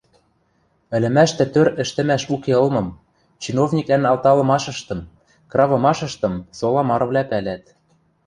Ӹлӹмӓштӹ тӧр ӹштӹмӓш уке ылмым, чиновниквлӓн алталымашыштым, кравымашыштым сола марывлӓ пӓлӓт.